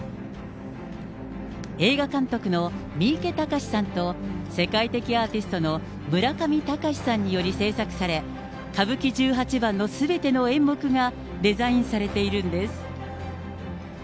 映画監督の三池たかしさんと、世界的アーティストの村上隆さんにより制作され、歌舞伎十八番のすべての演目がデザインされているんです。